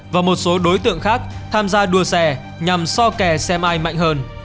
và một số đối tượng khác tham gia đua xe nhằm so kè xe ai mạnh hơn